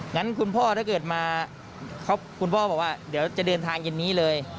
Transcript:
งั้นคุณพ่อถ้าเกิดมาคุณพ่อบอกว่าเดี๋ยวจะเดินทางเย็นนี้เลย